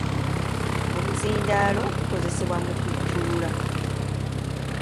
Omuzindaalo gukozesebwa mu kuttulula.